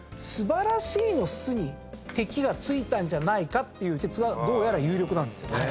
素晴らしいの「す」に「てき」が付いたんじゃないかという説がどうやら有力なんですよ。